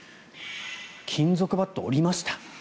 金属バットを折りました。